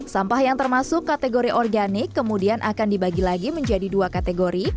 sampah yang termasuk kategori organik kemudian akan dibagi lagi menjadi dua kategori